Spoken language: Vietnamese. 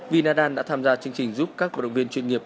vì nadal đã tham gia chương trình giúp các vận động viên chuyên nghiệp